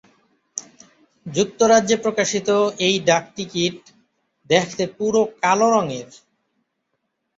যুক্তরাজ্যে প্রকাশিত এই ডাকটিকিট দেখতে পুরো কালো রঙের।